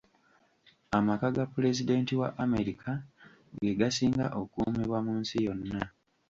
Amaka ga pulezidenti wa America ge gasinga okuumibwa mu nsi yonna